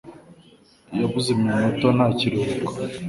Yavuze iminota nta kiruhuko.